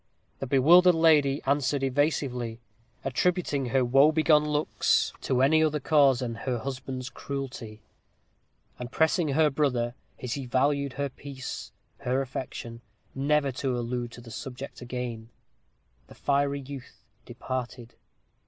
The bewildered lady answered evasively, attributing her woe begone looks to any other cause than her husband's cruelty; and pressing her brother, as he valued her peace, her affection, never to allude to the subject again. The fiery youth departed.